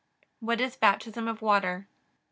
What is Baptism of water? A.